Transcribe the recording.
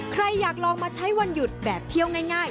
ใครอยากลองมาใช้วันหยุดแบบเที่ยวง่าย